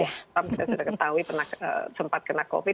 kita sudah ketahui sempat kena covid